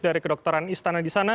dari kedokteran istana di sana